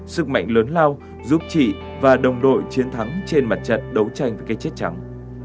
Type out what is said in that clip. sức mạnh lớn lao giúp chị và đồng đội chiến thắng trên mặt trận đấu tranh cây chết trắng